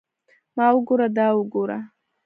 ما وګوره دا وګوره.